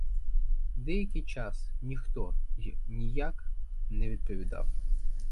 Деякий час ніхто й ніяк не відповідав.